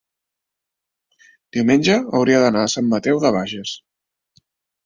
diumenge hauria d'anar a Sant Mateu de Bages.